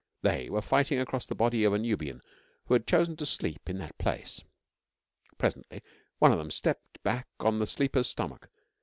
They were fighting across the body of a Nubian who had chosen to sleep in that place. Presently, one of them stepped back on the sleeper's stomach.